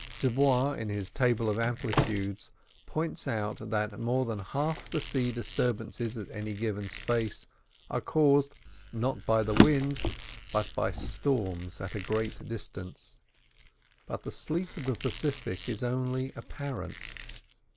De Bois in his table of amplitudes points out that more than half the sea disturbances at any given space are caused, not by the wind, but by storms at a great distance. But the sleep of the Pacific is only apparent.